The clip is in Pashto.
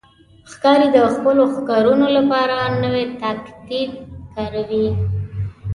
ښکاري د خپلو ښکارونو لپاره نوی تاکتیک کاروي.